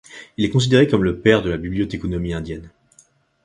Il est considéré comme le père de la bibliothéconomie indienne.